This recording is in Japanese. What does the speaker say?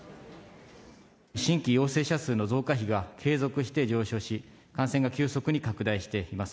新規陽性者数の増加比が継続して上昇し、感染が急速に拡大しています。